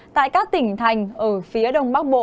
tại các tỉnh thành ở phía đông bắc bộ